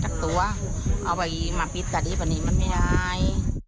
ชาวนี้ความมีที่ในหัวชาติ